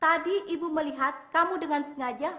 tadi ibu melihat kamu dengan sengaja